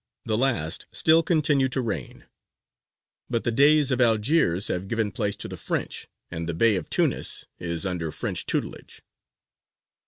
The last still continue to reign; but the Deys of Algiers have given place to the French, and the Bey of Tunis is under French tutelage.